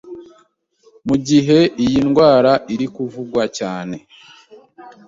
mu gihe iyi ndwara iri kuvugwa cyane